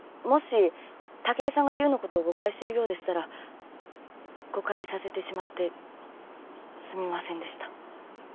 もし武居さんが優のことを誤解してるようでしたら誤解させてしまってすみませんでした。